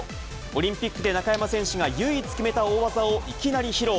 オリンピックで中山選手が唯一決めた大技をいきなり披露。